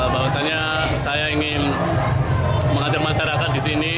bahwasannya saya ingin mengajak masyarakat di sini